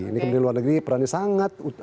ini kementerian luar negeri perannya sangat